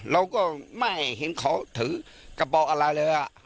เราก็ไม่เห็นเขาถือกระเป๋าอะไรเลย